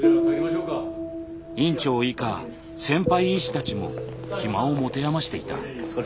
院長以下先輩医師たちも暇を持て余していた。